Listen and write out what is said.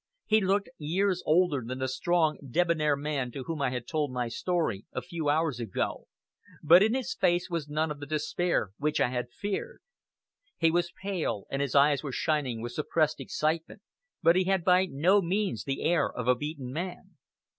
He looked years older than the strong, debonair man to whom I had told my story a few hours ago, but in his face was none of the despair which I had feared. He was pale, and his eyes were shining with suppressed excitement, but he had by no means the air of a beaten man.